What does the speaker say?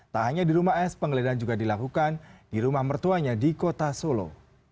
tak hanya di rumah s penggeledahan juga dilakukan di rumah mertuanya di kota solo